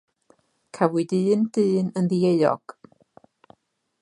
Cafwyd un dyn yn ddieuog.